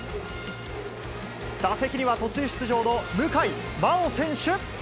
打席には途中出場の向井万旺選手。